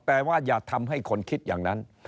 แต่ว่าอย่าทำให้คนคิดอย่างนั้น